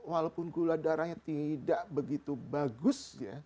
walaupun gula darahnya tidak begitu bagus